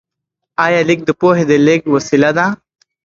آیا لیک د پوهې د لیږد وسیله ده؟